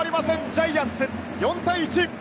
ジャイアンツ、４対１！